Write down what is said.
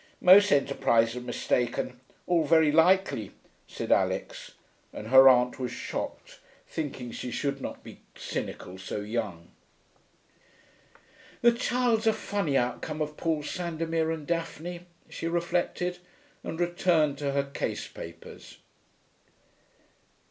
'Most enterprises are mistaken. All, very likely,' said Alix, and her aunt was shocked, thinking she should not be cynical so young. 'The child's a funny outcome of Paul Sandomir and Daphne,' she reflected, and returned to her case papers.